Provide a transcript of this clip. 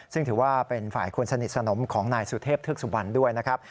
ซึ่งถือว่าเป็นฝ่ายคนสนิทสนมของนายสุเทพเทือกสุบันด้วยนะครับ